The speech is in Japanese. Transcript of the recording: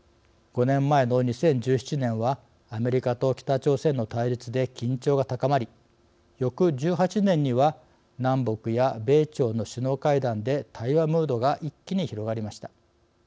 ５年前の２０１７年はアメリカと北朝鮮の対立で緊張が高まり翌１８年には南北や米朝の首脳会談で対話ムードが一気に広がりました。